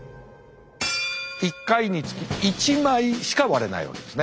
１回につき１枚しか割れないわけですね。